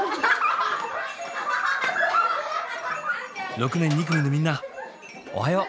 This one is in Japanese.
６年２組のみんなおはよう！